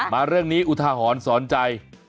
มาเรื่องนี้อุทาหรณ์สอนใจ